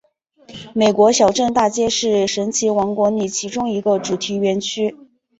美国小镇大街是神奇王国里其中一个主题园区。